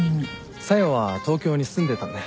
小夜は東京に住んでたんだよ。